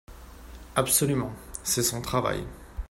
Absolument : c’est son travail.